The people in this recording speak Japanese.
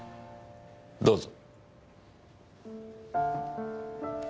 どうぞ。